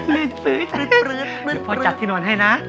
พ่อจัดที่นอนให้นะ